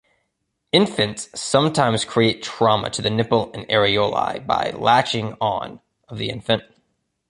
Infants sometimes create trauma to the nipple and areolae by latching-on of the infant.